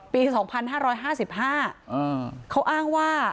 ปี๒๕๕๕เขาอ้างว่า